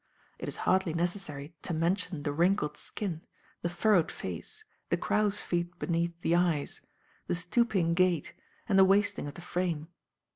It is hardly necessary to mention the wrinkled skin, the furrowed face, the "crow's feet" beneath the eyes, the stooping gait, and the wasting of the frame.